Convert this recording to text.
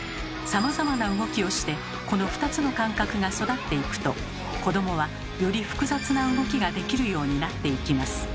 さまざまな動きをしてこの２つの感覚が育っていくと子どもはより複雑な動きができるようになっていきます。